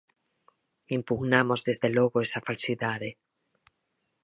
Impugnamos, desde logo, esa falsidade.